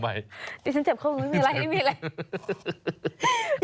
เดี๋ยวฉันเจ็บข้อมือไม่มีอะไรไม่มีอะไร